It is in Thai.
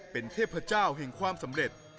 เป็นเทพเจ้าแห่งความสำเร็จ